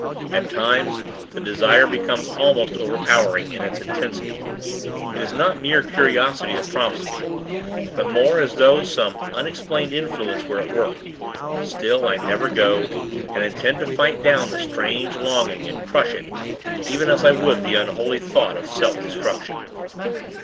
At times, the desire becomes almost overpowering, in its intensity. It is not mere curiosity, that prompts me; but more as though some unexplained influence were at work. Still, I never go; and intend to fight down the strange longing, and crush it; even as I would the unholy thought of self destruction.